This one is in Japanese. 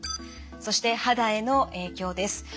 そして肌への影響です。